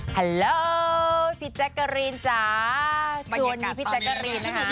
ฮัลโหลพี่แจ๊กเกอรีนจ๋าสวัสดีพี่แจ๊กเกอรีนนะคะสวัสดีค่ะ